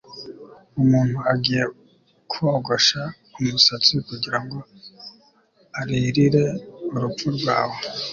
umuntu agiye kogosha umusatsi kugirango aririre urupfu rwawe